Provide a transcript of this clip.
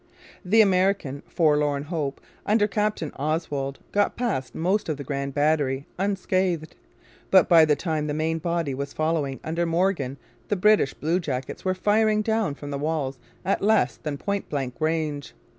The American forlorn hope, under Captain Oswald, got past most of the Grand Battery unscathed. But by the time the main body was following under Morgan the British blue jackets were firing down from the walls at less than point blank range.